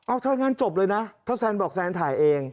เอาถ้างั้นจบเลยนะถ้าแซนบอกแซนถ่ายเอง